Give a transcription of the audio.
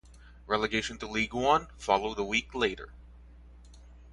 Relegation to League One followed a week later.